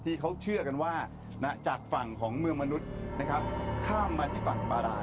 ที่เขาเชื่อกันว่าจากฝั่งของเมืองมนุษย์ข้ามมาถึงฝั่งปราหลาด